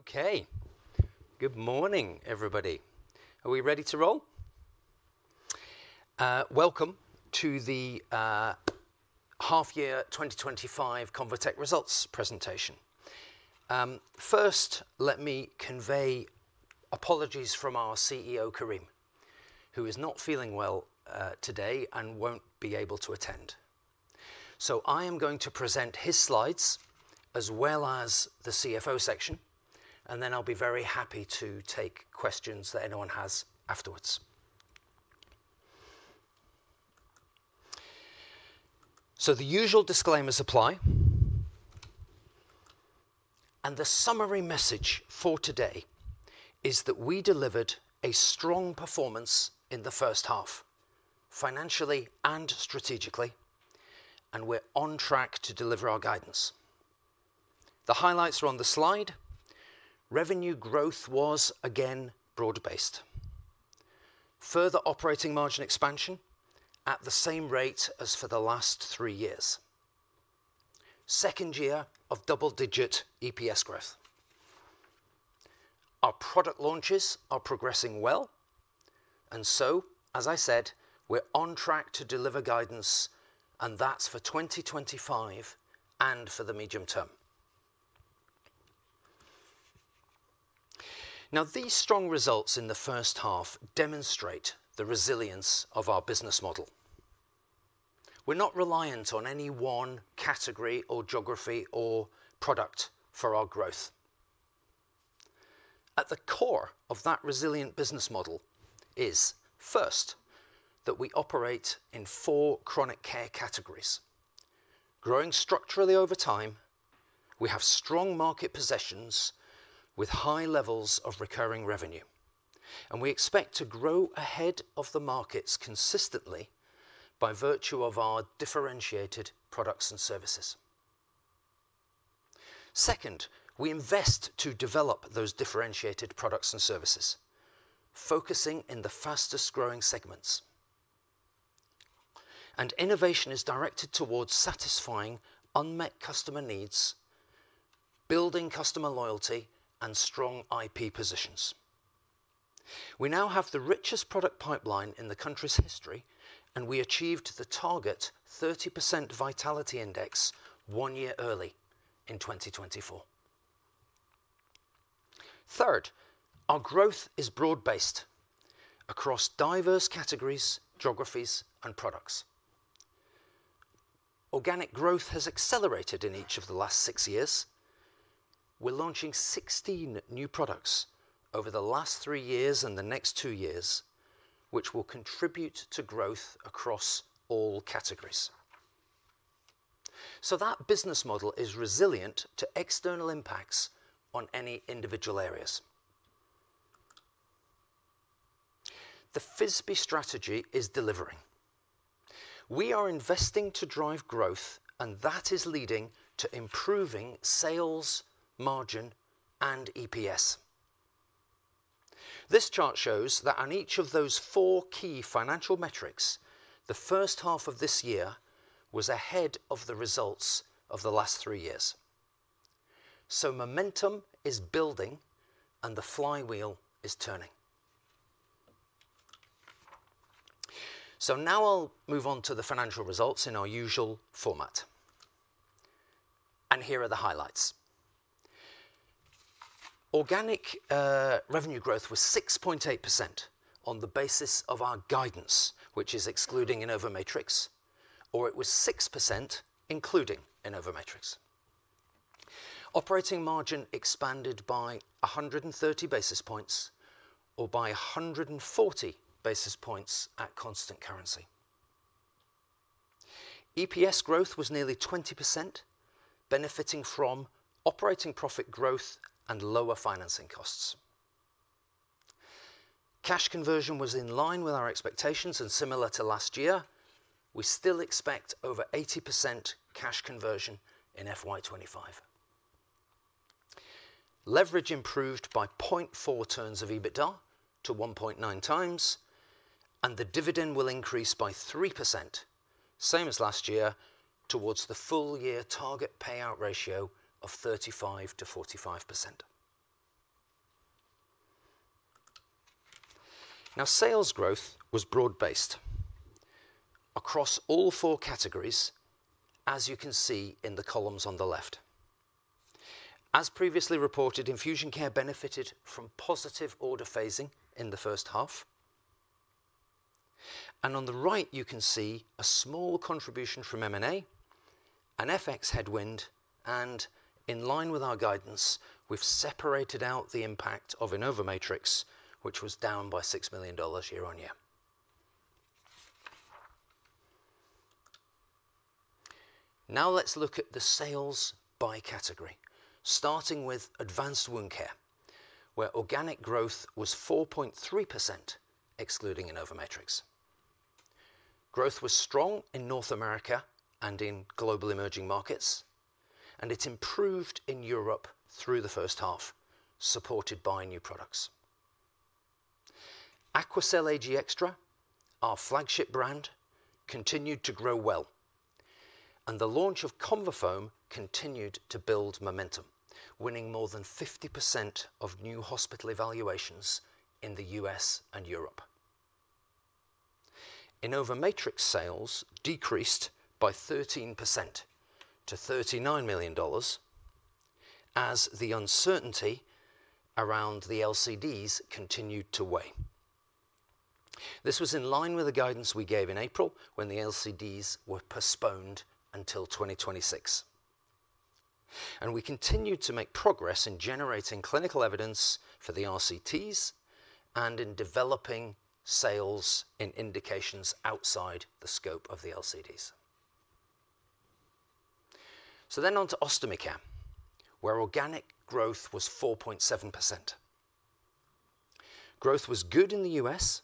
Okay. Good morning everybody. Are we ready to roll? Welcome to the half year 2025 Convatec results presentation. First, let me convey apologies from our CEO Karim, who is not feeling well today and won't be able to attend. I am going to present his slides as well as the CFO section and then I'll be very happy to take questions that anyone has afterwards. The usual disclaimers apply and the summary message for today is that we delivered a strong performance in the first half financially and strategically, and we're on track to deliver our guidance. The highlights are on the slide. Revenue growth was again broad based. Further operating margin expansion at the same rate as for the last three years. Second year of double-digit EPS growth. Our product launches are progressing well and as I said, we're on track to deliver guidance and that's for 2025 and for the medium term. These strong results in the first half demonstrate the resilience of our business model. We're not reliant on any one category or geography or product for our growth. At the core of that resilient business model is first, that we operate in four chronic care categories, growing structurally over time. We have strong market positions with high levels of recurring revenue, and we expect to grow ahead of the markets consistently by virtue of our differentiated products and services. Second, we invest to develop those differentiated products and services, focusing in the fastest growing segments. Innovation is directed towards satisfying unmet customer needs, building customer loyalty and strong IP positions. We now have the richest product pipeline in the company's history and we achieved the target 30% vitality index one year early in 2024. Third, our growth is broad based across diverse categories, geographies and products. Organic growth has accelerated in each of the last six years. We're launching 16 new products over the last three years and the next two years which will contribute to growth across all categories. That business model is resilient to external impacts on any individual areas. The FISBE strategy is delivering. We are investing to drive growth and that is leading to improving sales margin and EPS. This chart shows that on each of those four key financial metrics, the first half of this year was ahead of the results of the last three years. Momentum is building and the flywheel is turning. Now I'll move on to the financial results in our usual format, and here are the highlights. Organic revenue growth was 6.8% on the basis of our guidance, which is excluding InnovaMatrix, or it was 6% including InnovaMatrix. Operating margin expanded by 130 basis points, or by 140 basis points at constant currency. EPS growth was nearly 20%, benefiting from operating profit growth and lower financing costs. Cash conversion was in line with our expectations, and similar to last year, we still expect over 80% cash conversion in FY 2025. Leverage improved by 0.4 turns of EBITDA to 1.9x, and the dividend will increase by 3%, same as last year, towards the full year target payout ratio of 35% to 45%. Sales growth was broad based across all four categories, as you can see in the columns on the left. As previously reported, Infusion Care benefited from positive order phasing in the first half, and on the right you can see a small contribution from M&A, an FX headwind, and in line with our guidance, we've separated out the impact of InnovaMatrix, which was down by $6 million year-on-year. Let's look at the sales by category, starting with Advanced Wound Care, where organic growth was 4.3% excluding InnovaMatrix. Growth was strong in North America and in global emerging markets, and it improved in Europe through the first half, supported by new products. AQUACEL Ag+ Extra, our flagship brand, continued to grow well, and the launch of ConvaFoam continued to build momentum, winning more than 50% of new hospital evaluations in the U.S. and Europe. InnovaMatrix sales decreased by 13% to $39 million, as the uncertainty around the LCDs continued to weigh. This was in line with the guidance we gave in April when the LCDs were postponed until 2026, and we continued to make progress in generating clinical evidence for the RCTs and in developing sales in indications outside the scope of the LCDs. On to Ostomy Care, where organic growth was 4.7%. Growth was good in the U.S.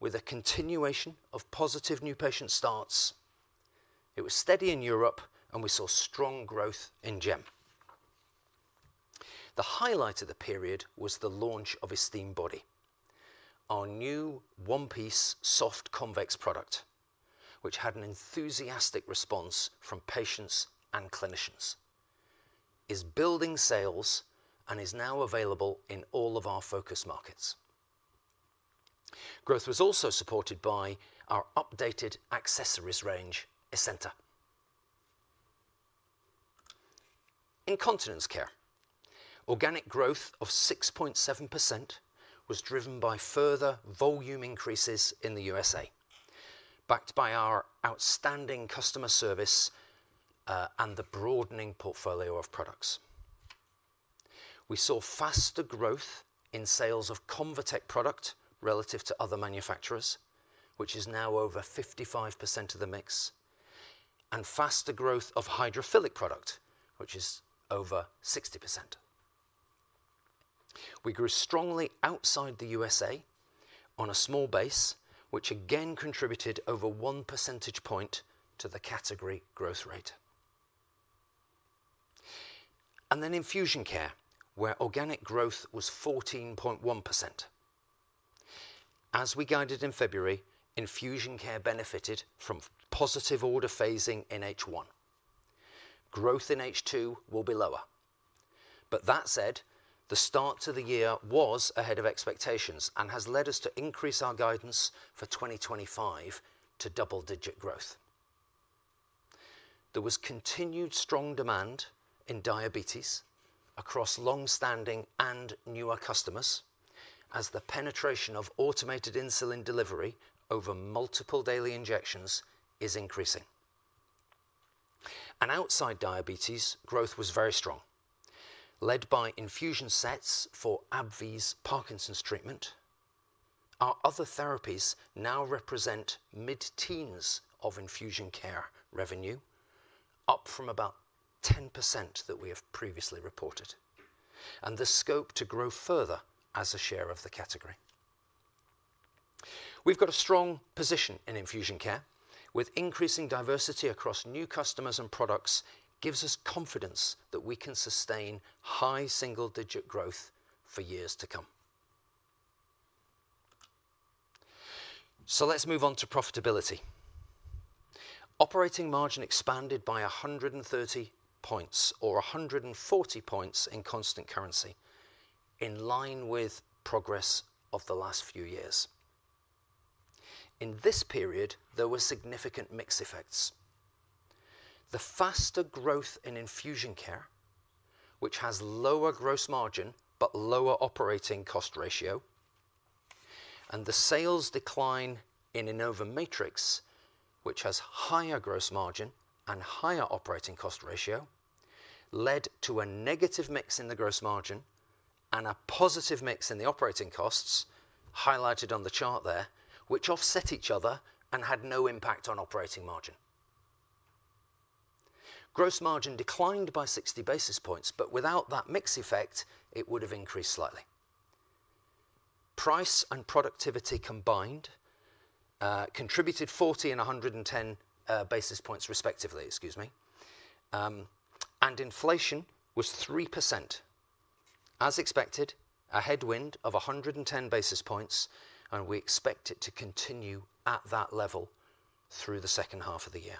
with a continuation of positive new patient starts, it was steady in Europe, and we saw strong growth in GEM. The highlight of the period was the launch of Esteem Body, our new one-piece soft convex product, which had an enthusiastic response from patients and clinicians, is building sales, and is now available in all of our focus markets. Growth was also supported by our updated accessories range, Esenta Incontinence Care. Organic growth of 6.7% was driven by further volume increases in the U.S.A. backed by our outstanding customer service and the broadening portfolio of products. We saw faster growth in sales of Convatec product relative to other manufacturers which is now over 55% of the mix, and faster growth of hydrophilic product which is over 60%. We grew strongly outside the U.S.A. on a small base which again contributed over 1% point to the category growth rate and then Infusion Care where organic growth was 14.1%. As we guided in February, Infusion Care benefited from positive order phasing in H1. Growth in H2 will be lower, but that said the start to the year was ahead of expectations and has led us to increase our guidance for 2025 to double-digit growth. There was continued strong demand in diabetes across long-standing and newer customers as the penetration of automated insulin delivery over multiple daily injections is increasing, and outside diabetes growth was very strong led by infusion sets for AbbVie’s Parkinson’s treatment. Our other therapies now represent mid-teens of Infusion Care revenue, up from about 10% that we have previously reported, and the scope to grow further as a share of the category. We've got a strong position in Infusion Care with increasing diversity across new customers and products gives us confidence that we can sustain high single-digit growth for years to come. Let's move on to profitability. Operating margin expanded by 130 points or 140 points in constant currency in line with progress of the last few years. In this period there were significant mix effects. The faster growth in Infusion Care, which has lower gross margin but lower operating cost ratio, and the sales decline in InnovaMatrix, which has higher gross margin and higher operating cost ratio, led to a negative mix in the gross margin and a positive mix in the operating costs highlighted on the chart there, which offset each other and had no impact on operating margin. Gross margin declined by 60 basis points, but without that mix effect it would have increased slightly. Price and productivity combined contributed 40 and 110 basis points respectively. Excuse me. Inflation was 3%. As expected, a headwind of 110 basis points and we expect it to continue at that level through the second half of the year.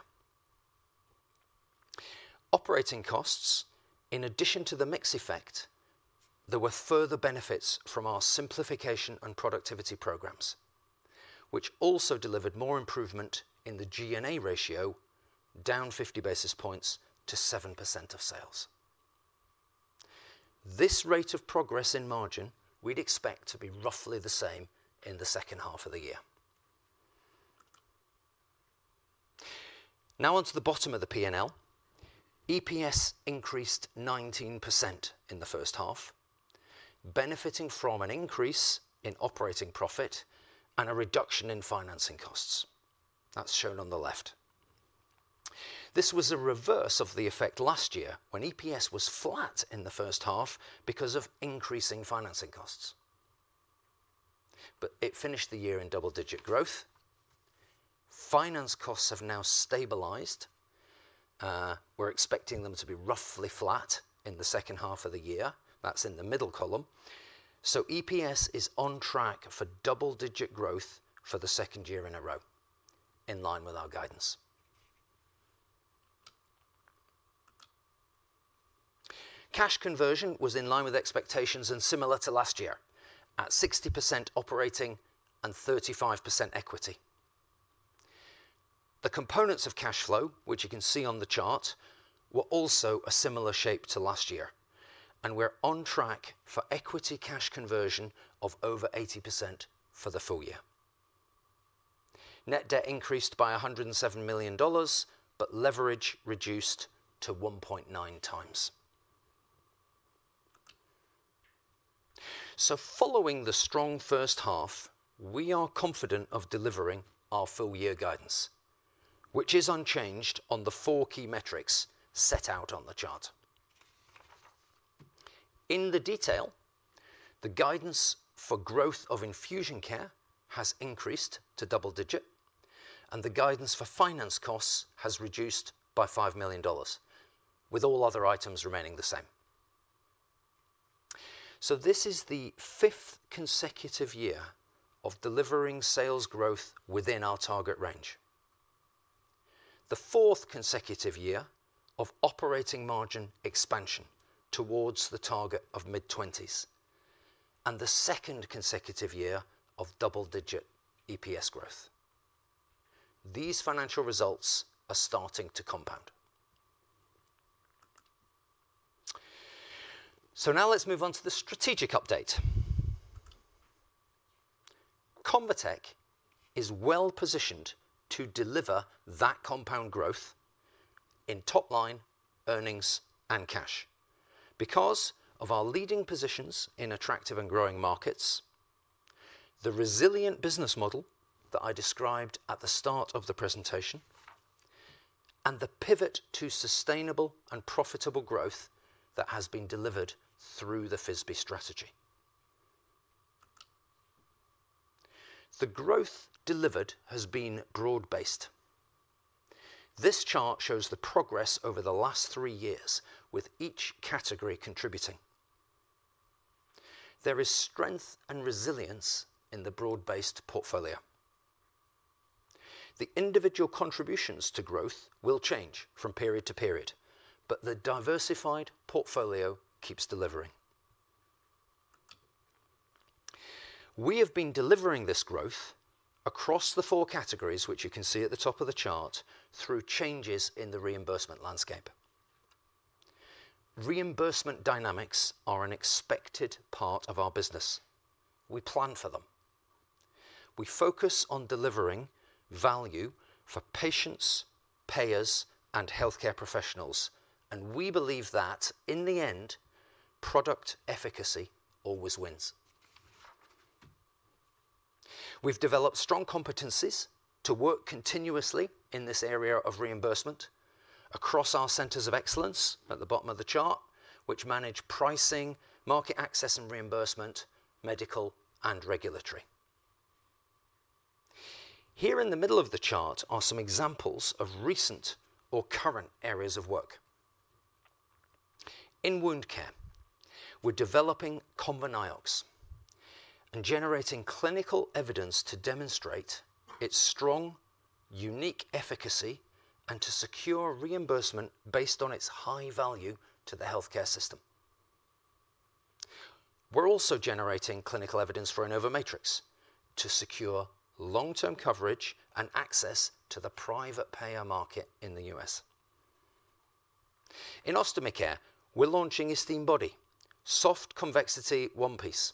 Operating costs, in addition to the mix effect, there were further benefits from our simplification and productivity programs, which also delivered more improvement in the G&A ratio, down 50 basis points to 7% of sales. This rate of progress in margin, we'd expect to be roughly the same in the second half of the year. Now onto the bottom of the P&L, EPS increased 19% in the first half, benefiting from an increase in operating profit and a reduction in financing costs, that's shown on the left. This was a reverse of the effect last year when EPS was flat in the first half because of increasing financing costs, but it finished the year in double-digit growth. Finance costs have now stabilized. We're expecting them to be roughly flat in the second half of the year. That's in the middle column. EPS is on track for double-digit growth for the second year in a row, in line with our guidance. Cash conversion was in line with expectations and similar to last year at 60% operating and 35% equity. The components of cash flow, which you can see on the chart, were also a similar shape to last year, and we're on track for equity cash conversion of over 80% for the full year. Net debt increased by $107 million, but leverage reduced to 1.9x. Following the strong first half, we are confident of delivering our full year guidance, which is unchanged on the four key metrics set out on the chart in the detail. The guidance for growth of Infusion Care has increased to double-digit, and the guidance for finance costs has reduced by $5 million, with all other items remaining the same. This is the fifth consecutive year of delivering sales growth within our target range, the fourth consecutive year of operating margin expansion towards the target of mid-20s, and the second consecutive year of double-digit EPS growth. These financial results are starting to compound. Now let's move on to the strategic update. Convatec is well positioned to deliver that compound growth in top line, earnings, and cash because of our leading positions in attractive and growing markets, the resilient business model that I described at the start of the presentation, and the pivot to sustainable and profitable growth that has been delivered through the FISBE strategy. The growth delivered has been broad based. This chart shows the progress over the last three years, with each category contributing. There is strength and resilience in the broad-based portfolio. The individual contributions to growth will change from period to period, but the diversified portfolio keeps delivering. We have been delivering this growth across the four categories which you can see at the top of the chart through changes in the reimbursement landscape. Reimbursement dynamics are an expected part of our business. We plan for them. We focus on delivering value for patients, payers, and healthcare professionals. We believe that in the end, product efficacy always wins. We've developed strong competencies to work continuously in this area of reimbursement across our centers of excellence at the bottom of the chart, which manage pricing, market access and reimbursement, medical and regulatory. Here in the middle of the chart are some examples of recent or current areas of work in Advanced Wound Care. We're developing ConvaNiox and generating clinical evidence to demonstrate its strong unique efficacy and to secure reimbursement based on its high value to the healthcare system. Also generating clinical evidence for InnovaMatrix to secure long-term coverage and access to the private payer market. In the U.S. in Ostomy Care, we're launching Esteem Body Soft Convexity One-Piece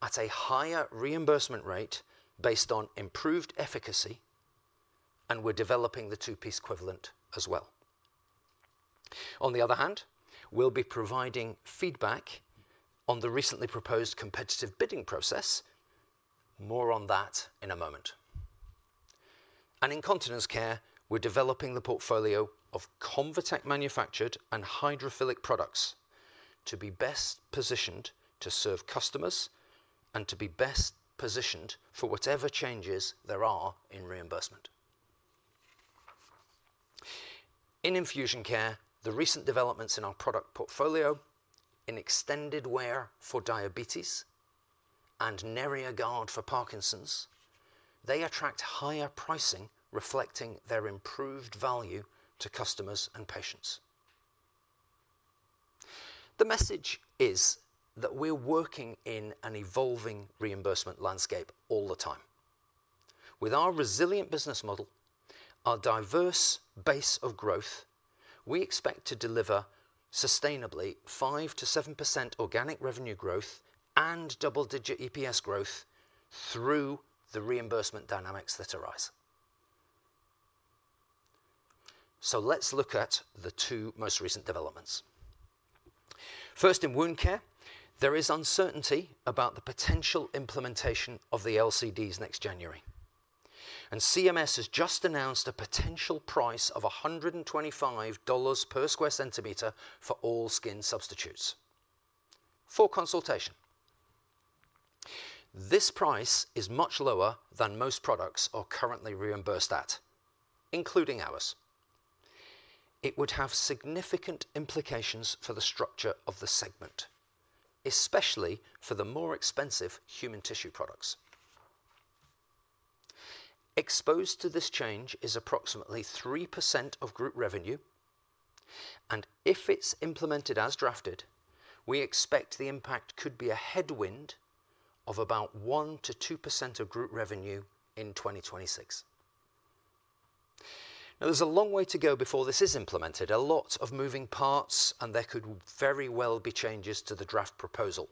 at a higher reimbursement rate based on improved efficacy, and we're developing the two piece equivalent as well. On the other hand, we will be providing feedback on the recently proposed competitive bidding process. More on that in a moment. In Continence Care, we're developing the portfolio of Convatec manufactured and hydrophilic products to be best positioned to serve customers and to be best positioned for whatever changes there are in reimbursement. In Infusion Care, the recent developments in our product portfolio in Extended Wear for Diabetes and Neria Guard for Parkinson's, they attract higher pricing reflecting their improved value to customers and patients. The message is that we're working in an evolving reimbursement landscape all the time with our resilient business model, our diverse base of growth. We expect to deliver sustainably 5% to 7% organic revenue growth and double-digit EPS growth through the reimbursement dynamics that arise. Let's look at the two most recent developments. First, in Advanced Wound Care, there is uncertainty about the potential implementation of the LCDs next January, and CMS has just announced a potential price of $125 per sq cm for all skin substitutes for consultation. This price is much lower than most products are currently reimbursed at, including ours. It would have significant implications for the structure of the segment, especially for the more expensive human tissue products exposed to. This change is approximately 3% of group revenue and if it's implemented as drafted, we expect the impact could be a headwind of about 1%-2% of group revenue in 2026. Now there's a long way to go before this is implemented. A lot of moving parts and there could very well be changes to the draft proposal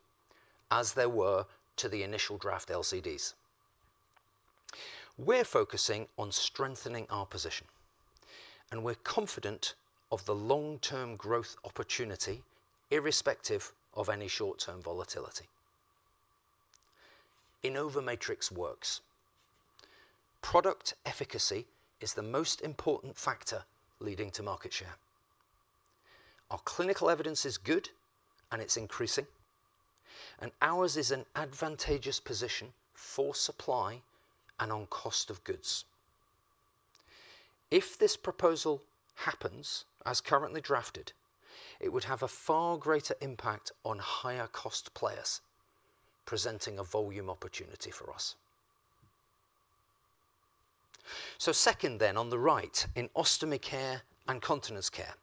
as there were to the initial draft LCDs. We're focusing on strengthening our position and we're confident of the long term growth opportunity irrespective of any short term volatility. InnovaMatrix Works product efficacy is the most important factor leading to market share. Our clinical evidence is good and it's increasing and ours is an advantageous position for supply and on cost of goods. If this proposal happens as currently drafted, it would have a far greater impact on higher cost players presenting a volume opportunity for us. Second, on the right in Ostomy Care and Continence Care.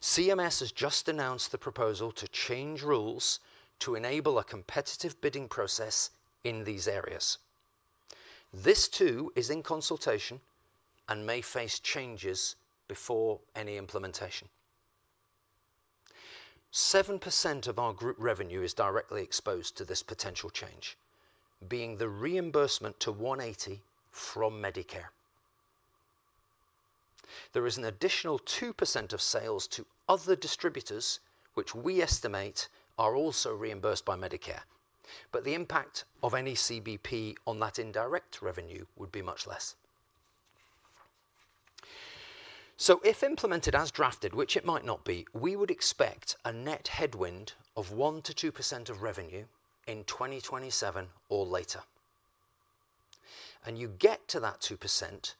CMS has just announced the proposal to change rules to enable a competitive bidding process in these areas. This too is in consultation and may face changes before any implementation. 7% of our group revenue is directly exposed to this potential change being the reimbursement to 180 from Medicare. There is an additional 2% of sales to other distributors which we estimate are also reimbursed by Medicare. The impact of any CBP on that indirect revenue would be much less. If implemented as drafted, which it might not be, we would expect a net headwind of 1%-2% of revenue in 2027 or later. You get to that 2%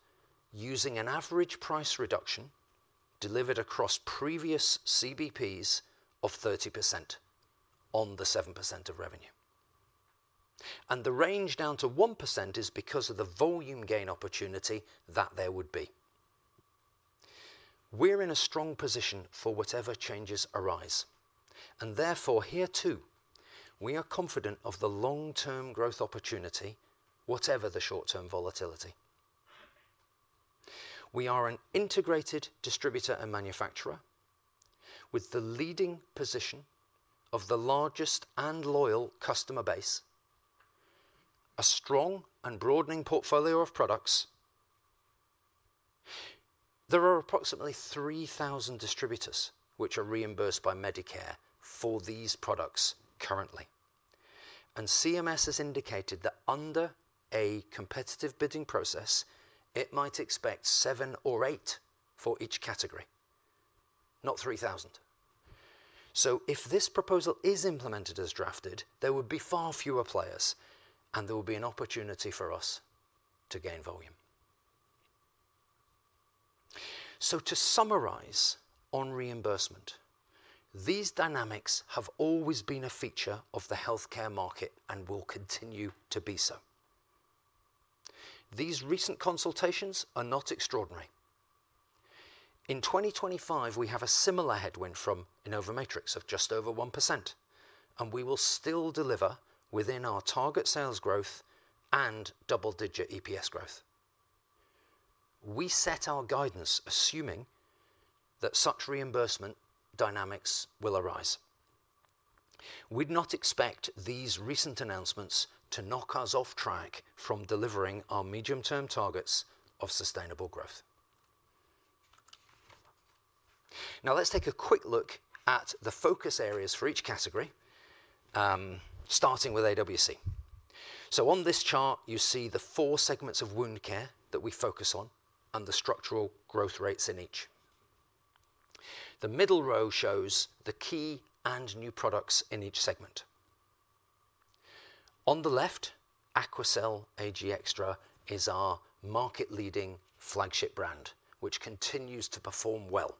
using an average price reduction delivered across previous CBPs of 30% on the 7% of revenue. The range down to 1% is because of the volume gain opportunity that there would be. We're in a strong position for whatever changes arise and therefore here too we are confident of the long term growth opportunity, whatever the short term volatility. We are an integrated distributor and manufacturer with the leading position of the largest and loyal customer base, a strong and broadening portfolio of products. There are approximately 3,000 distributors which are reimbursed by Medicare for these products currently. CMS has indicated that under a competitive bidding process it might expect seven or eight for each category, not 3,000. If this proposal is implemented as drafted, there would be far fewer players and there will be an opportunity for us to gain volume. To summarize on reimbursement, these dynamics have always been a feature of the healthcare market and will continue to be so. These recent consultations are not extraordinary. In 2025 we have a similar headwind from InnovaMatrix of just over 1%. We will still deliver within our target sales growth and double-digit EPS growth. We set our guidance assuming that such reimbursement dynamics will arise. We'd not expect these recent announcements to knock us off track from delivering our medium-term targets of sustainable growth. Now let's take a quick look at the focus areas for each category, starting with Advanced Wound Care. On this chart you see the four segments of wound care that we focus on and the structural growth rates in each. The middle row shows the key and new products in each segment. On the left, AQUACEL Ag+ Extra is our new market-leading flagship brand which continues to perform well.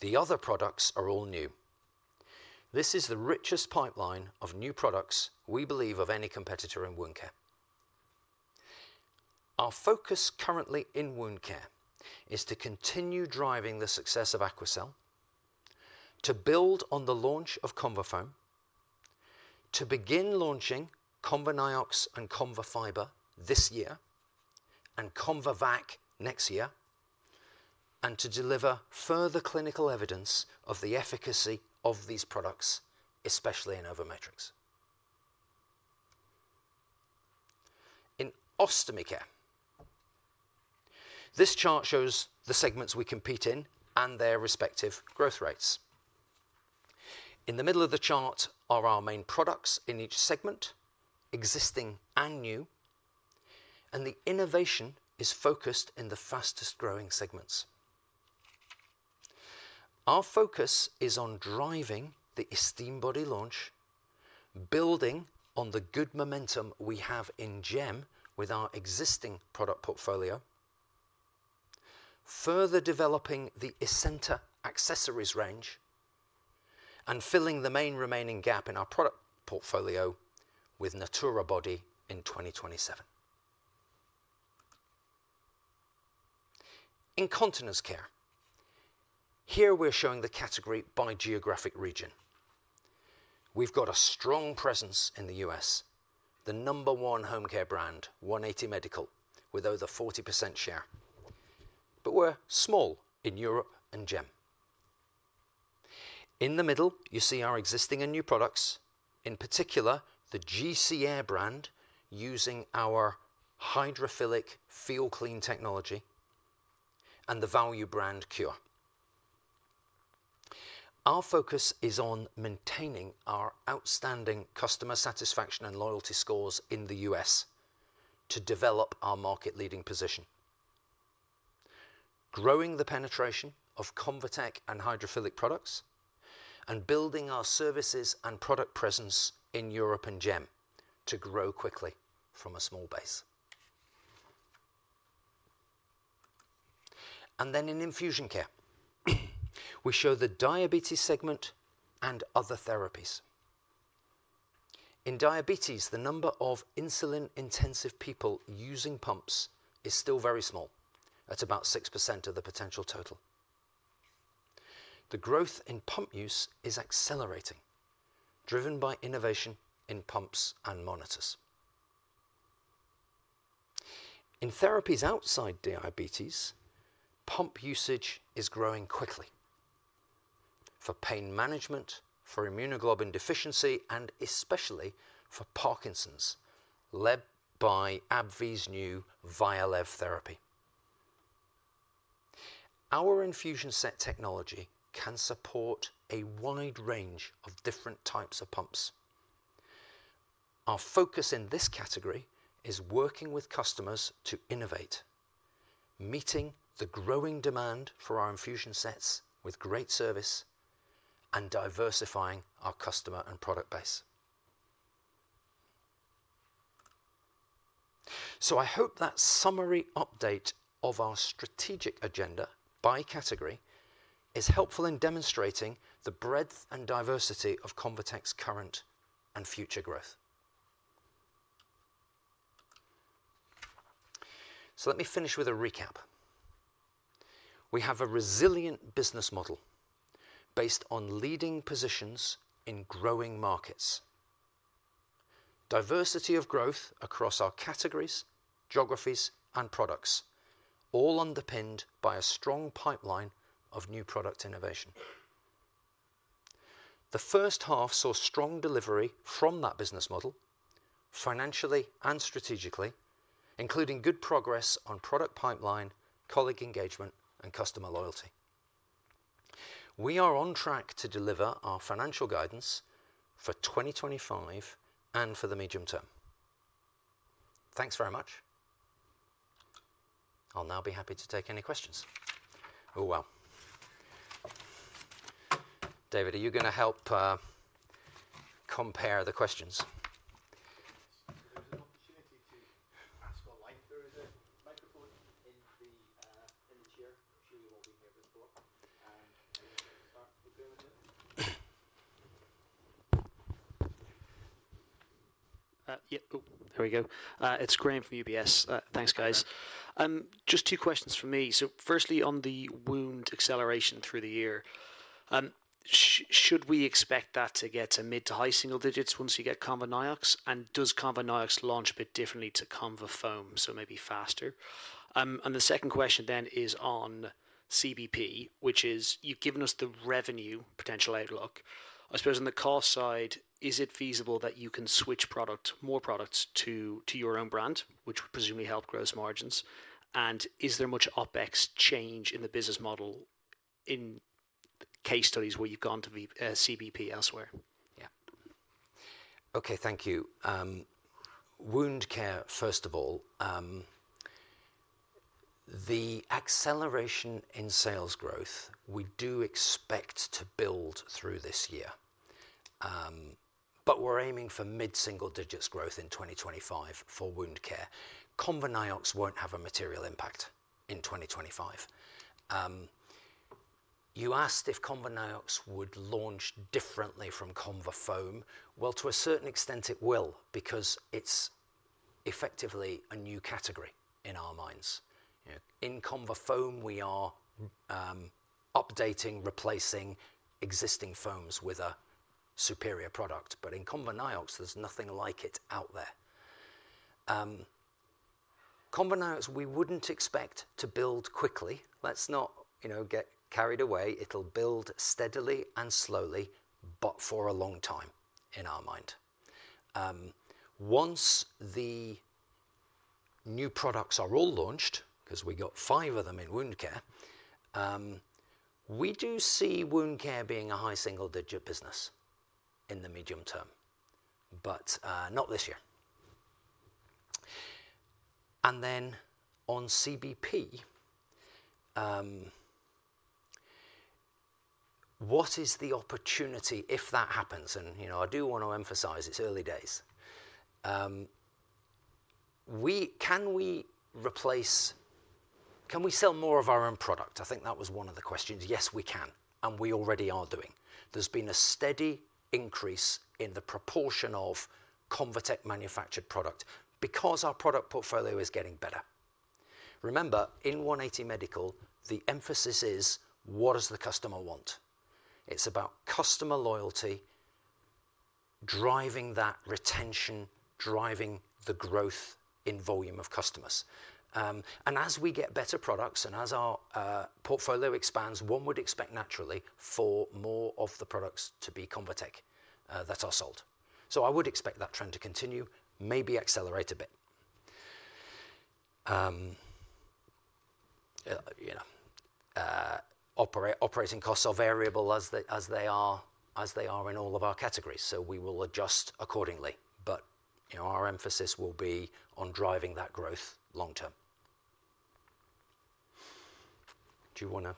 The other products are all new. This is the richest pipeline of new products, we believe, of any competitor in wound care. Our focus currently in wound care is to continue driving the success of AQUACEL, to build on the launch of ConvaFoam, to begin launching ConvaNiox and ConvaFiber this year and ConvaVac next year, and to deliver further clinical evidence of the efficacy of these products, especially in ovumetrics in Ostomy Care. This chart shows the segments we compete in and their respective growth rates. In the middle of the chart are our main products in each segment, existing and new, and the innovation is focused in the fastest-growing segments. Our focus is on driving the Esteem Body launch, building on the good momentum we have in GEM with our existing product portfolio, further developing the Esenta and accessories range, and filling the main remaining gap in our product portfolio with Natura Body in 2027. In Continence Care, here we're showing the category by geographic region. We've got a strong presence in the U.S., the number one home care brand 180 Medical with over 40% share, but we're small in Europe and GEM. In the middle you see our existing and new products, in particular the GC Air brand using our hydrophilic FeelClean Technology and the value brand Cure. Our focus is on maintaining our outstanding customer satisfaction and loyalty scores in the U.S. To develop our market leading position, growing the penetration of Convatec and hydrophilic products and building our services and product presence in Europe and GEM to grow quickly from a small base and then in Infusion Care we show the diabetes segment and other therapies. In diabetes, the number of insulin intensive people using pumps is still very small at about 6% of the potential total. The growth in pump use is accelerating, driven by innovation in pumps and monitors in therapies. Outside diabetes, pump usage is growing quickly for pain management, for immunoglobulin deficiency and especially for Parkinson's led by AbbVie's new VYALEV therapy. Our infusion set technology can support a wide range of different types of pumps. Our focus in this category is working with customers to innovate, meeting the growing demand for our infusion sets with great service and diversifying our customer and product base. I hope that summary update of our strategic agenda by category is helpful in demonstrating the breadth and diversity of Convatec's current and future growth. Let me finish with a recap. We have a resilient business model based on leading positions in growing markets, diversity of growth across our categories, geographies and products, all underpinned by a strong pipeline of new product innovation. The first half saw strong delivery from that business model financially and strategically, including good progress on product pipeline, colleague engagement and customer loyalty. We are on track to deliver our financial guidance for 2025 and for the medium term. Thanks very much. I'll now be happy to take any questions. David, are you going to help compare the questions? There we go. It's Graham from UBS. Thanks guys. Just two questions for me. Firstly, on the wound acceleration through the year, should we expect that to get to mid to high single digits once you get ConvaNiox? Does ConvaNiox launch a bit differently to ConvaFoam, maybe faster? The second question is on CBP, you've given us the revenue potential outlook. I suppose on the cost side, is it feasible that you can switch more products to your own brand, which would presumably help gross margins? Is there much OpEx change in the business model in case studies where you've gone to CBP elsewhere? Yeah. Okay, thank you. Wound care. First of all, the acceleration in sales growth we do expect to build through this year, but we're aiming for mid single digits growth in 2025 for Wound Care. ConvaNiox won't have a material impact in 2025. You asked if ConvaNiox would launch differently from ConvaFoam. To a certain extent it will because it's effectively a new category in our minds. In ConvaFoam we are updating, replacing existing foams with a superior product. In ConvaNiox there's nothing like it out there. ConvaNiox we wouldn't expect to build quickly. Let's not, you know, get carried away. It'll build steadily and slowly but for a long time in our mind once the new products are all launched, because we got five of them in wound care, we do see wound care being a high single digit business in the medium term, but not this year. On competitive bidding, what is the opportunity if that happens? I do want to emphasize it's early days. Can we replace, can we sell more of our own product? I think that was one of the questions. Yes, we can and we already are doing. There's been a steady increase in the proportion of Convatec manufactured product because our product portfolio is getting better. Remember in 180 Medical the emphasis is what does the customer want? It's about customer loyalty driving that retention, driving the growth in volume of customers. As we get better products and as our portfolio expands, one would expect naturally for more of the products to be Convatec that are sold. I would expect that trend to continue, maybe accelerate a bit. Operating costs are variable as they are in all of our categories. We will adjust accordingly. Our emphasis will be on driving that growth long term. Do you want to.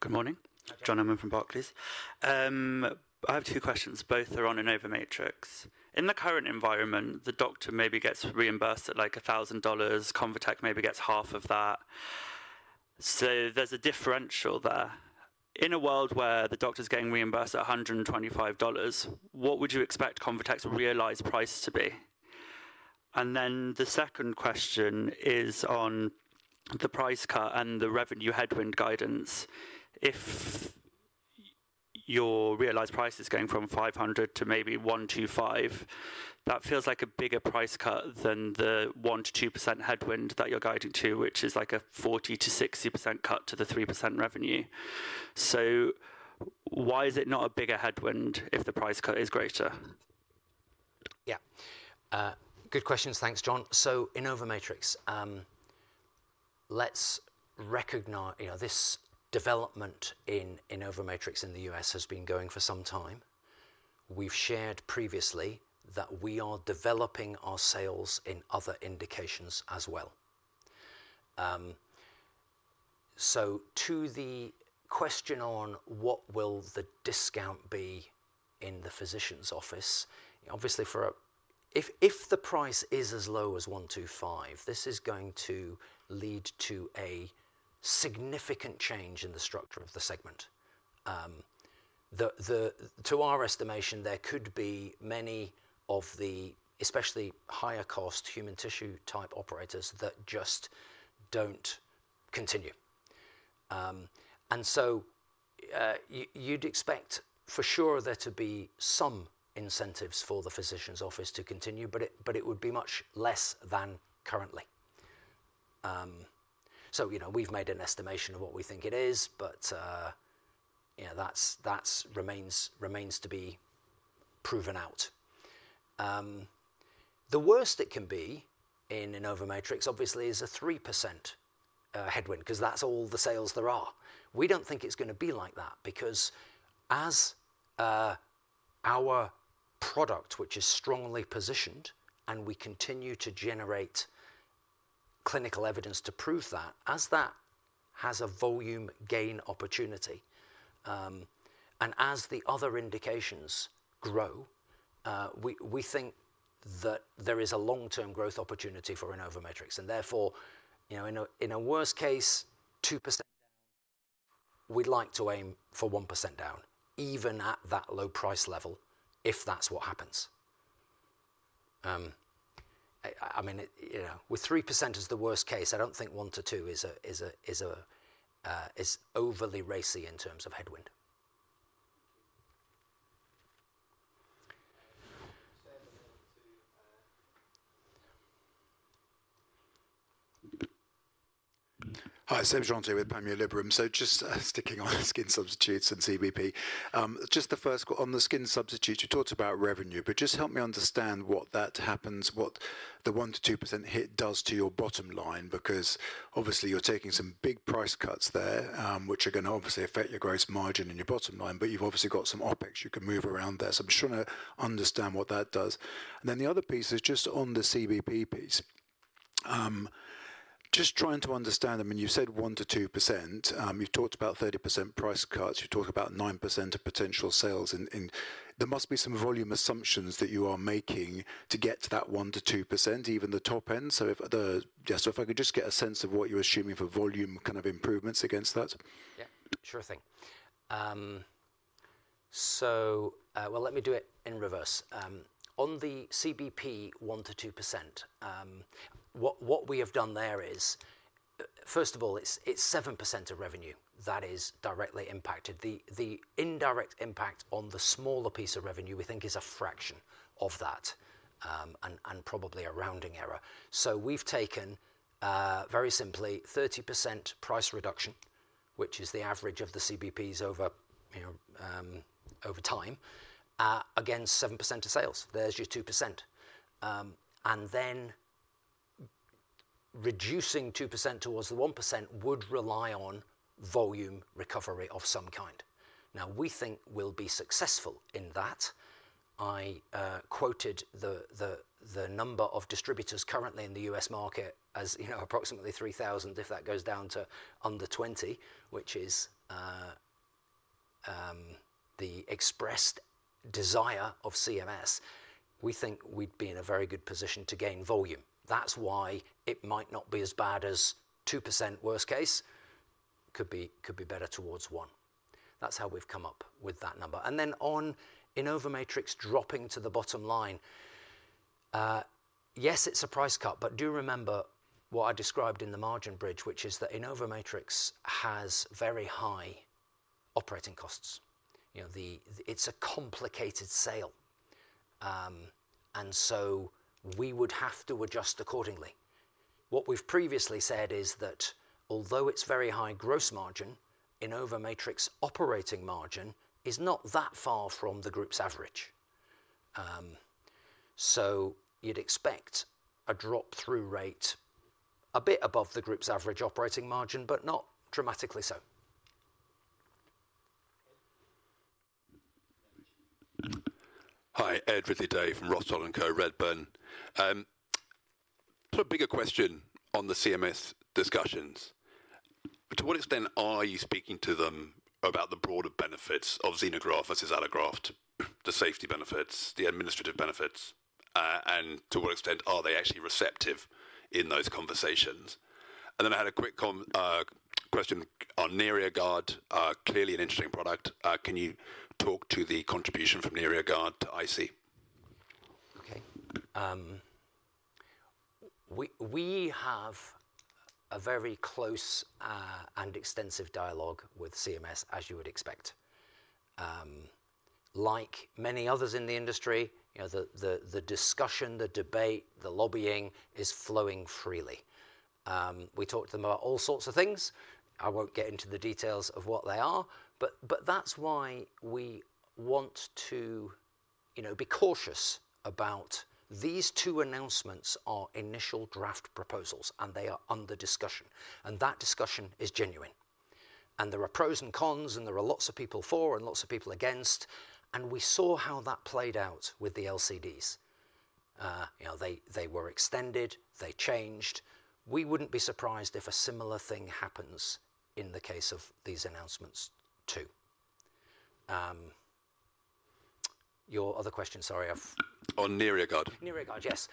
Good morning, John Erdmann from Barclays. I have two questions. Both are on InnovaMatrix. In the current environment, the doctor maybe gets reimbursed at like $1,000. Convatec maybe gets half of that. There's a differential there. In a world where the doctor is getting reimbursed at $125, what would you expect Convatec's realized price to be? The second question is on the price cut and the revenue headwind guidance. If your realized price is going from $500 to maybe $125, that feels like a bigger price cut than the 1%-2% headwind that you're guiding to, which is like a 40% to 60% cut to the 3% revenue. Why is it not a bigger headwind if the price cut is greater? Yeah, good questions. Thanks, John. So, InnovaMatrix, let's recognize, you know, this development in InnovaMatrix in the U.S. has been going for some time. We've shared previously that we are developing our sales in other indications as well. To the question on what will the discount be in the physician's office, obviously if the price is as low as $125, this is going to lead to a significant change in the structure of the segment. To our estimation, there could be many of the especially higher cost human tissue type operators that just don't continue. You'd expect for sure there to be some incentives for the physician's office to continue, but it would be much less than currently. We've made an estimation of what we think it is, but that remains to be proven out. The worst it can be in InnovaMatrix obviously is a 3% headwind because that's all the sales there are. We don't think it's going to be like that because as our product, which is strongly positioned, and we continue to generate clinical evidence to prove that, as that has a volume gain opportunity and as the other indications grow, we think that there is a long-term growth opportunity for InnovaMatrix and therefore in a worst case 2% down, we'd like to aim for 1% down even at that low price level if that's what happens. I mean with 3% as the worst case, I don't think 1%-2% is overly racy in terms of headwind. Hi, Seb Jantet with Panmure Liberum. Just sticking on skin substitutes and CBP, just the first on the skin substitutes, you talked about revenue. Just help me understand what that happens, what the 1%-2% hit does to your bottom line. Because obviously you're taking some big price cuts there, which are going to obviously affect your gross margin and your bottom line. You've obviously got some OpEx you can move around there. I'm just trying to understand what that does. The other piece is just on the CBP piece, just trying to understand. You said 1%-2%, you've talked about 30% price cuts, you talk about 9% of potential sales. There must be some volume assumptions that you are making to get to that 1%-2%, even the top end. If I could just get a sense of what you're assuming for volume kind of improvements against that. Yeah, sure thing. Let me do it in reverse. On the CBP, 1%-2%. What we have done there is, first of all, it's 7% of revenue that is directly impacted. The indirect impact on the smaller piece of revenue we think is a fraction of that and probably a rounding error. We have taken very simply 30% price reduction, which is the average of the CBP's over time. Again, 7% of sales. There's your 2%. Reducing 2% towards the 1% would rely on volume recovery of some kind. We think we'll be successful in that. I quoted the number of distributors currently in the U.S. market as, you know, approximately 3,000. If that goes down to under 20, which is the expressed desire of CMS, we think we'd be in a very good position to gain volume. That's why it might not be as bad as 2%. Worst case could be better towards 1%. That's how we've come up with that number. On InnovaMatrix dropping to the bottom line, yes, it's a price cut. Do remember what I described in the margin bridge, which is that InnovaMatrix has very high operating costs. It's a complicated sale, and so we would have to adjust accordingly. What we've previously said is that although it's very high gross margin, InnovaMatrix operating margin is not that far from the group's average. You'd expect a drop through rate a bit above the group's average operating margin, but not dramatically so. Hi Ed Ridley-Day from Redburn. Bigger question on the CMS discussions. To what extent are you speaking to them about the broader benefits of xenograft versus allograft, the safety benefits, the administrative benefits, and to what extent are they actually receptive in those conversations? I had a quick question on Neria Guard, clearly an interesting product. Can you talk to the contribution from? Neria Guard to IC? Okay. We have a very close and extensive dialogue with CMS. As you would expect, like many others in the industry, the discussion, the debate, the lobbying is flowing freely. We talk to them about all sorts of things. I won't get into the details of what they are, but that's why we want to be cautious about these two announcements. They are initial draft proposals and they are under discussion, and that discussion is genuine. There are pros and cons and there are lots of people for and lots of people against. We saw how that played out with the LCDs. They were extended, they changed. We wouldn't be surprised if a similar thing happens in the case of these announcements too. Your other question, sorry. On Neria Guard. Yes,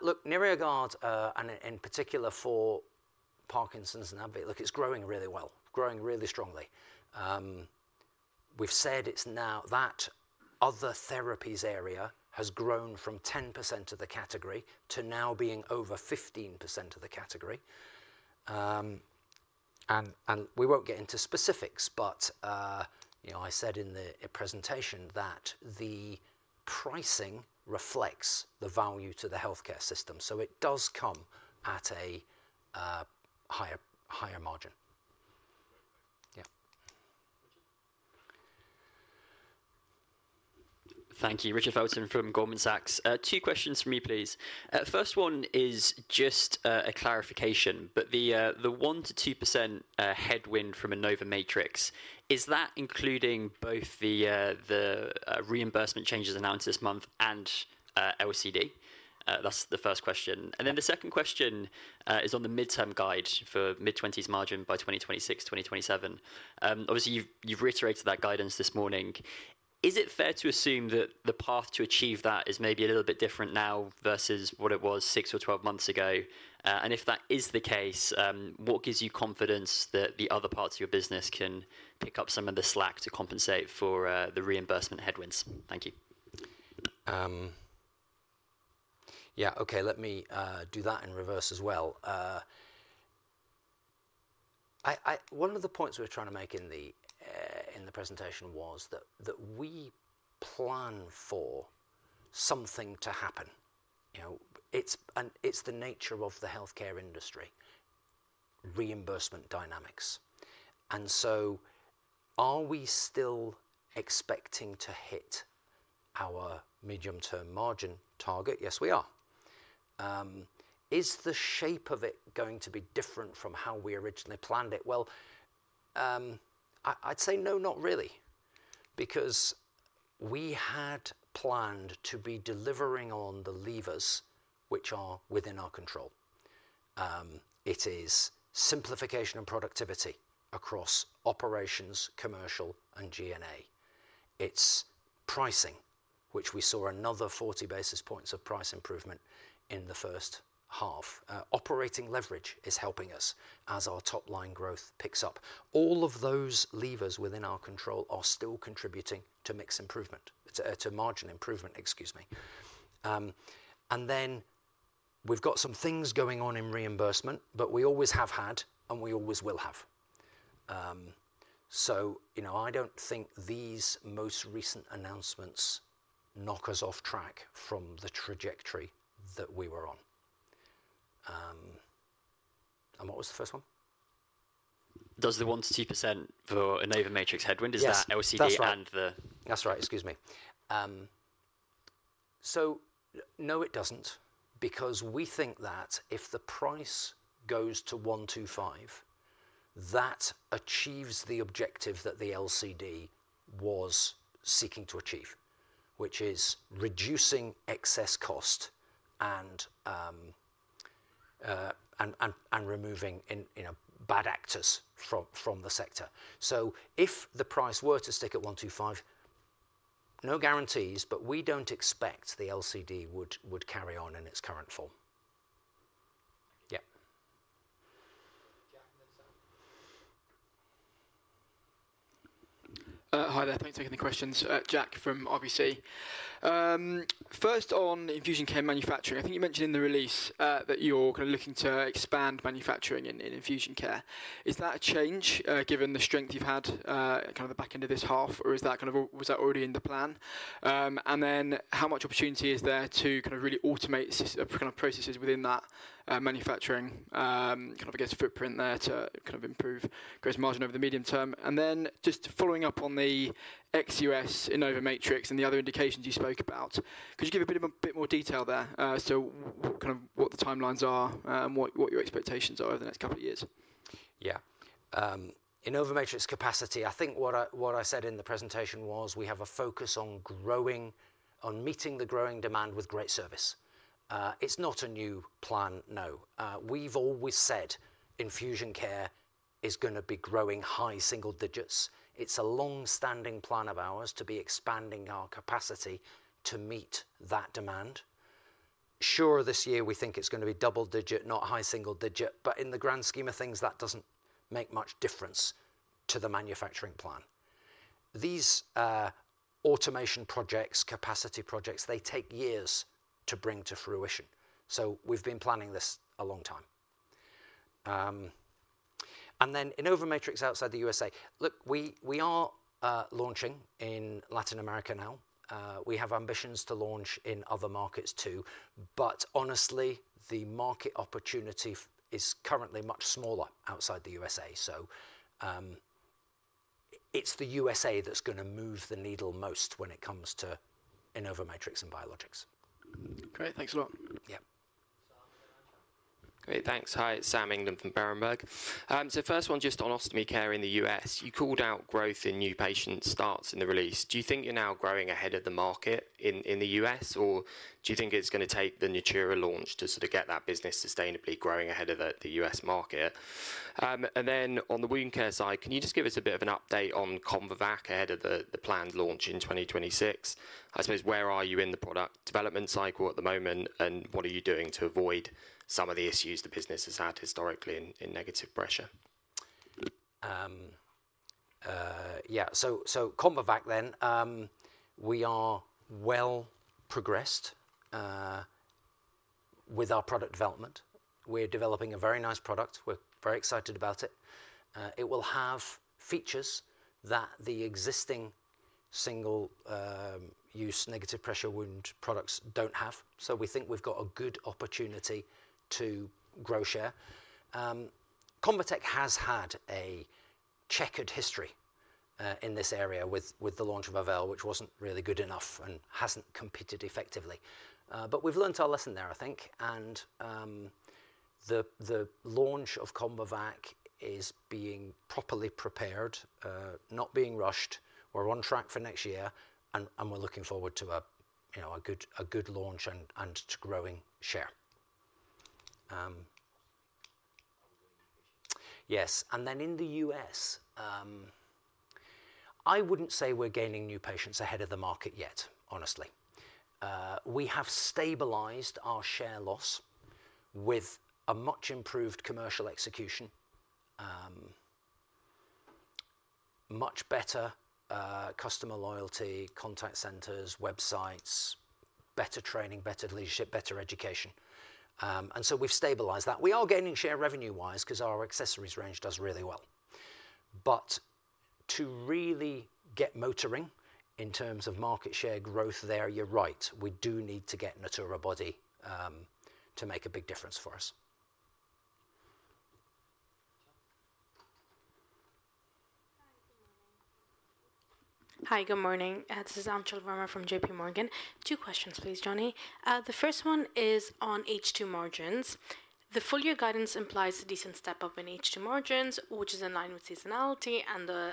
look, Neria Guard and in particular for Parkinson's and AbbVie. Look, it's growing really well, growing really strongly. We've said it's now that other therapies area has grown from 10% of the category to now being over 15% of the category. We won't get into specifics, but I said in the presentation that the pricing reflects the value to the healthcare system. It does come at a higher, higher margin. Yeah. Thank you. Richard Felton from Goldman Sachs. Two questions for me, please. First one is just a clarification, the 1%-2% headwind from InnovaMatrix, is that including both reimbursement changes announced this month and LCD? That's the first question. The second question is on the midterm guide for mid-20s margin by 2026, 2027. Obviously you've reiterated that guidance this morning. Is it fair to assume that the path to achieve that is maybe a little bit different now versus what it was six or 12 months ago? If that is the case, what gives you confidence that the other parts of your business can pick up some of the slack to compensate for the reimbursement headwinds? Thank you. Yeah. Okay, let me do that in reverse as well. One of the points we're trying to make in the presentation was that we plan for something to happen. It's the nature of the healthcare industry. Reimbursement dynamics. Are we still expecting to hit our medium term margin target? Yes we are. Is the shape of it going to be different from how we originally planned it? I'd say no, not really because we had planned to be delivering on the levers which are within our control. It is simplification and productivity across operations, commercial and G&A. It's pricing, which we saw another 40 basis points of price improvement in the first half. Operating leverage is helping us as our top line growth picks up. All of those levers within our control are still contributing to mix improvement to margin improvement. Excuse me. We've got some things going on in reimbursement, but we always have had and we always will have. I don't think these most recent announcements knock us off track from the trajectory that we were on. What was the first one? Does the 1%-2% for an InnovaMatrix headwind, is that LCD and the. That's right. Excuse me. No, it doesn't because we think that if the price goes to $1.25, that achieves the objective that the LCD was seeking to achieve, which is reducing excess cost and removing bad actors from the sector. If the price were to stick at $1.25, no guarantees, but we don't expect the LCD would carry on in its current form. Yeah. Hi there. Thanks for taking the questions. Jack from RBC. First on Infusion Care manufacturing, I think you mentioned in the release that you're looking to expand manufacturing in Infusion Care. Is that a change given the strength you've had kind of the back end of this half or was that already in the plan? How much opportunity is there to really automate processes within that manufacturing footprint there to improve gross margin over the medium term? Just following up on the ex-U.S. InnovaMatrix and the other indications you spoke about, could you give a bit more detail there? What the timelines are and what your expectations are over the next couple of years. Yeah. InnovaMatrix capacity. I think what I said in the presentation was we have a focus on growing, on meeting the growing demand with great service. It's not a new plan. No. We've always said Infusion Care is going to be growing high single digits. It's a long-standing plan of ours to be expanding our capacity to meet that demand. Sure. This year we think it's going to be double digit, not high single digit. In the grand scheme of things, that doesn't make much difference to the manufacturing plan. These automation projects, capacity projects, they take years to bring to fruition. We've been planning this a long time. InnovaMatrix outside the U.S.A., look, we are launching in Latin America now. We have ambitions to launch in other markets too. Honestly, the market opportunity is currently much smaller outside the U.S.A. It's the U.S.A. that's going to move the needle most when it comes to InnovaMatrix and Biologics. Great, thanks a lot. Yeah, great, thanks. Hi, it's Sam England from Berenberg. First one just on Ostomy Care in the U.S., you called out growth in new patient starts in the release. Do you think you're now growing ahead of the market in the U.S., or do you think it's going to take the Natura launch to sort of get that business sustainably growing ahead of the U.S. market? On the Wound Care side, can you just give us a bit of an update on ConvaVac ahead of the planned launch in 2026? I suppose, where are you in the product development cycle at the moment, and what are you doing to avoid some of the issues the business has had historically in negative pressure? Yeah. ConvaVac then. We are well progressed with our product development. We're developing a very nice product we're very excited about, will have features that the existing single use negative pressure wound products don't have. We think we've got a good opportunity to grow share. Convatec has had a checkered history in this area with the launch of Avelle, which wasn't really good enough and hasn't competed effectively. We've learned our lesson there, I think, and the launch of ConvaVac is being properly prepared, not being rushed. We're on track for next year and we're looking forward to a good launch and growing share. Yes. In the U.S., I wouldn't say we're gaining new patients ahead of the market yet. Honestly, we have stabilized our share loss with a much improved commercial execution, much better customer loyalty, contact centers, websites, better training, better leadership, better education. We've stabilized that. We are gaining share revenue-wise because our accessories range does really well. To really get motoring in terms of market share growth there, you're right, we do need to get Esteem Body to make a big difference for us. Hi, good morning, this is Anchal Verma from JPMorgan. Two questions please, Jonny. The first one is on H2 margins. The full year guidance implies a decent step up in H2 margins, which is in line with seasonality and the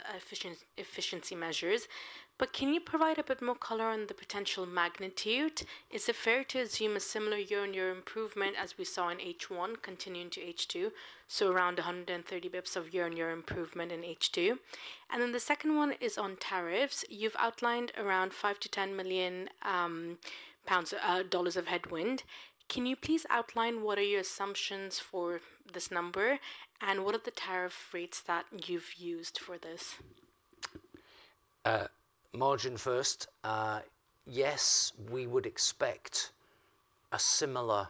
efficiency measures. Can you provide a bit more color on the potential magnitude? Is it fair to assume a similar year-on-year improvement as we saw in H1 continuing to H2, so around 130 bps of year-on-year improvement in H2? The second one is on tariffs. You've outlined around $5 million-$10 million of headwind. Can you please outline what are your assumptions for this number and what are the tariff rates that you've used for this? Margin? First, yes, we would expect a similar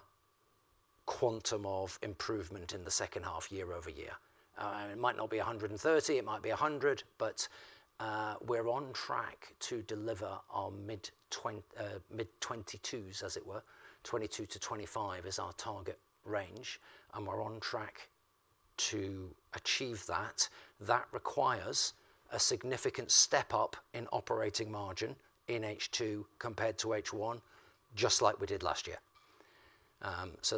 quantum of improvement in the second half year-over-year. It might not be 130, it might be 100, but we're on track to deliver our mid-22s as it were. 22-25 is our target range and we're on track to achieve that. That requires a significant step up in operating margin in H2 compared to H1, just like we did last year.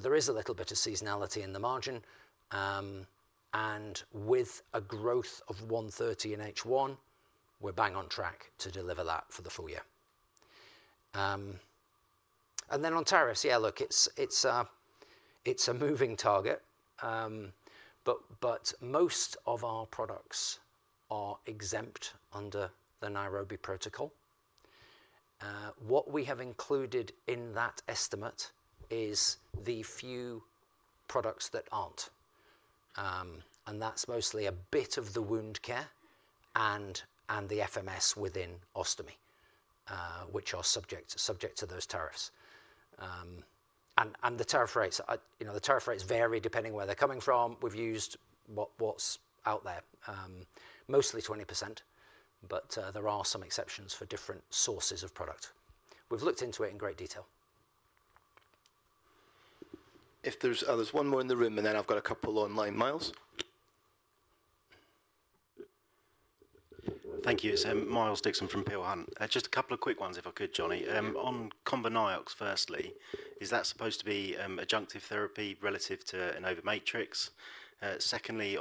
There is a little bit of seasonality in the margin and with a growth of 130 in H1, we're bang on track to deliver that for the full year. On tariffs, it's a moving target, but most of our products are exempt under the Nairobi Protocol. What we have included in that estimate is the few products that aren't. That's mostly a bit of the Advanced Wound Care and the FMS within Ostomy Care, which are subject to those tariffs. The tariff rates vary depending where they're coming from. We've used what's out there, mostly 20%, but there are some exceptions for different sources of product. We've looked into it in great detail. If there's one more in the room, and then I've got a couple online, Miles. Thank you. It's Miles Dixon from Peel Hunt. Just a couple of quick ones if I could. Jonny, on ConvaNiox, firstly, is that supposed to be adjunctive therapy relative to InnovaMatrix? Secondly,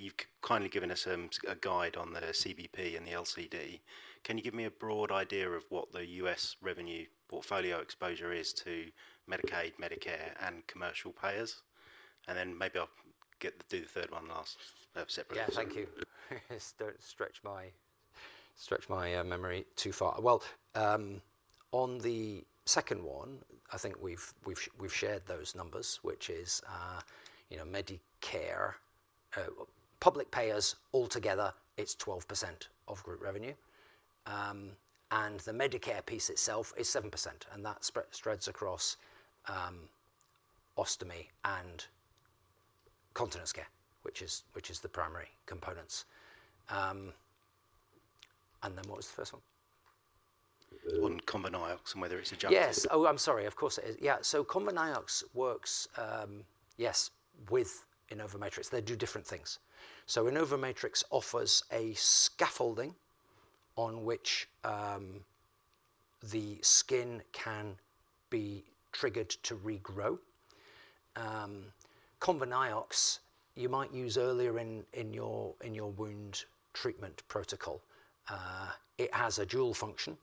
you've kindly given us a guide on the CBP and the LCD. Can you give me a broad idea of what the U.S. revenue portfolio exposure is to Medicaid, Medicare, and commercial payers? Maybe I'll do the third one last, separate. Yeah, thank you. Don't stretch my memory too far. On the second one, I think we've shared those numbers, which is Medicare public payers. Altogether it's 12% of group revenue and the Medicare piece itself is 7%, and that spreads across Ostomy and Continence Care, which is the primary components. What was the first one. On ConvaNiox and whether it's a jug. Yes. Oh, I'm sorry, of course it is, yeah. ConvaNiox works. Yes. With InnovaMatrix, they do different things. InnovaMatrix offers a scaffolding on which the skin can be triggered to regrow. ConvaNiox you might use earlier in your wound treatment protocol. It has a dual function.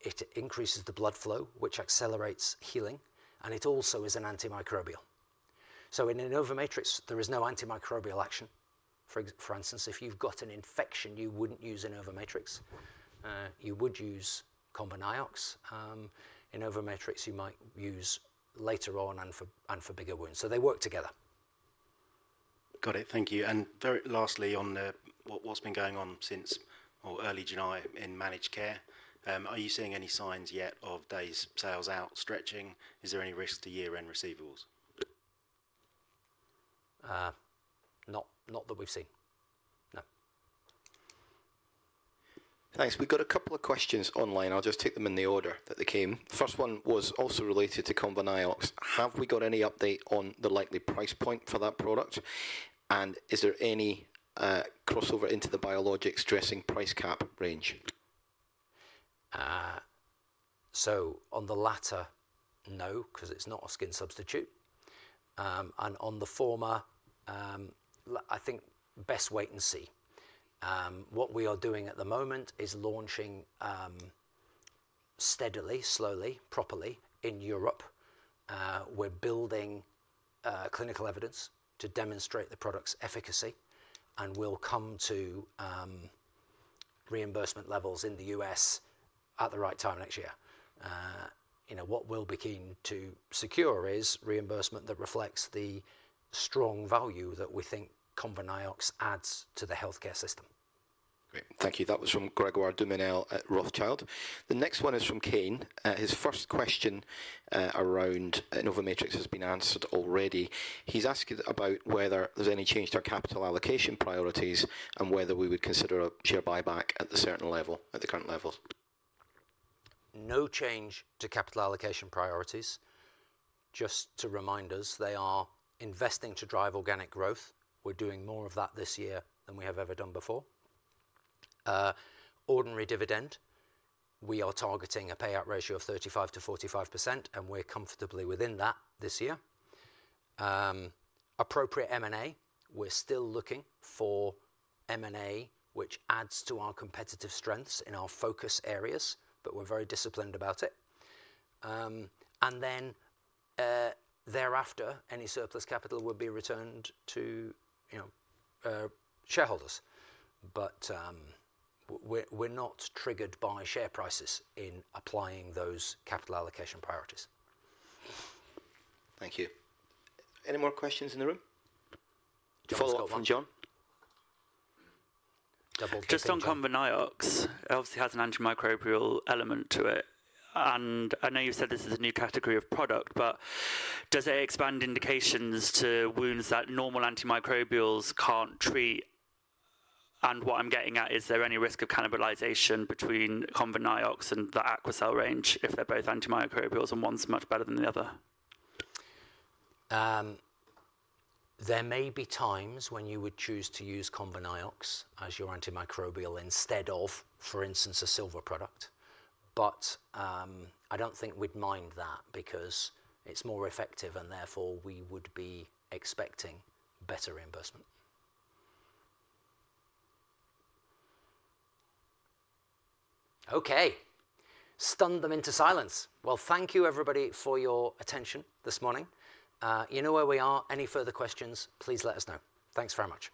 It increases the blood flow, which accelerates healing, and it also is an antimicrobial. In InnovaMatrix, there is no antimicrobial action. For instance, if you've got an infection, you wouldn't use InnovaMatrix, you would use ConvaNiox. InnovaMatrix you might use later on and for bigger wounds. They work together. Got it, thank you. Lastly, on what's been going on since early July in managed care, are you seeing any signs yet of days sales out stretching? Is there any risk to year end receivables? Not that we've seen, no. Thanks. We've got a couple of questions online. I'll just take them in the order that they came. The first one was also related to ConvaNiox. Have we got any update on the likely price point for that product, and is there any crossover into the biologics dressing price cap range? On the latter, no, because it's not a skin substitute, and on the former, I think best wait and see. What we are doing at the moment is launching steadily, slowly, properly in Europe. We're building clinical evidence to demonstrate the product's efficacy and will come to reimbursement levels in the U.S. at the right time next year. You know, what we'll be keen to secure is reimbursement that reflects the strong value that we think ConvaNiox adds to the healthcare system. Thank you. That was from Grégoire du Mesnil at Rothschild. The next one is from Kane. His first question around InnovaMatrix has been answered already. He's asked about whether there's any change to our capital allocation priorities and whether we would consider a share buyback at the certain level. At the current levels. No change to capital allocation priorities. Just to remind us, they are investing to drive organic growth. We're doing more of that this year than we have ever done before. Ordinary dividend, we are targeting a payout ratio of 35%-45%, and we're comfortably within that this year. Appropriate M&A, we're still looking for M&A, which adds to our competitive strengths in our focus areas, but we're very disciplined about it. Thereafter, any surplus capital would be returned to shareholders. We're not triggered by share prices in applying those capital allocation priorities. Thank you. Any more questions in the room? Follow up on Jonny. Just on ConvaNiox. It obviously has an antimicrobial element to it, and I know you said this is a new category of product, but does it expand indications to wounds that normal antimicrobials can't treat? What I'm getting at, is there any risk of cannibalization between ConvaNiox and the AQUACEL range if they're both antimicrobials and one's much better than the other? There may be times when you would choose to use ConvaNiox as your antimicrobial instead of, for instance, a silver product. I don't think we'd mind that because it's more effective and therefore we would be expecting better reimbursement. Stunned them into silence. Thank you, everybody, for your attention this morning. You know where we are. Any further questions, please let us know. Thanks very much.